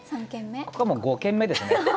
ここはもう５軒目ですね。